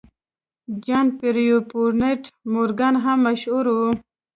جان پیرپونټ مورګان هم مشهور و.